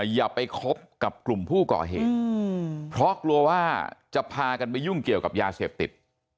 อย่าไปคบกับกลุ่มผู้ก่อเหตุเพราะกลัวว่าจะพากันไปยุ่งเกี่ยวกับยาเสพติด